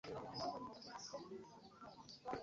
Abaana baali bawummudde ekimala.